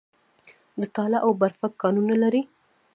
د تاله او برفک کانونه لري